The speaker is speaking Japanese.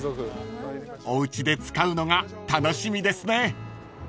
［おうちで使うのが楽しみですね］